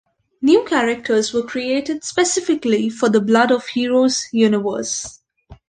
New characters were created specifically for the "Blood of Heroes" universe.